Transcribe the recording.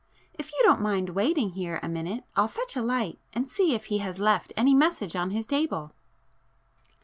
If you don't mind waiting here a minute I'll fetch a light and see if he has left any message on his table."